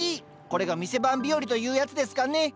これが店番日和というやつですかね